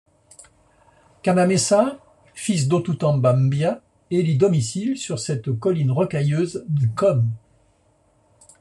Kana Mesa, fils d’Otu Tamba Mbia, élit domicile sur cette colline rocailleuse, Nkom.